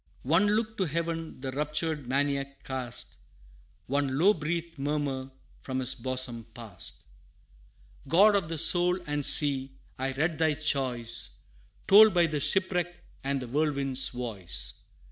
One look to heaven the raptured Maniac cast, One low breathed murmur from his bosom passed: 'God of the soul and sea! I read thy choice Told by the shipwreck and the whirlwind's voice.